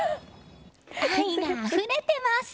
愛があふれてます！